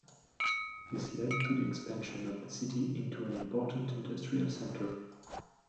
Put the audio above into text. This led to the expansion of the city into an important industrial center.